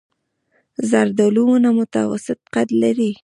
زردالو ونه متوسط قد لري.